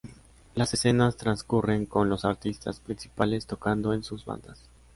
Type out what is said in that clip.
Las escenas transcurren con los artistas principales tocando en sus bandas.